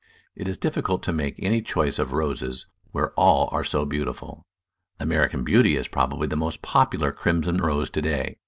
It is difficult to make any choice of Roses where all are so beautiful. American Beauty is prob ably the most popular crimson Rose to day.